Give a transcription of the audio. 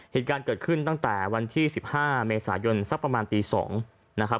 เหตุการณ์เกิดขึ้นตั้งแต่วันที่๑๕เมษายนสักประมาณตี๒นะครับ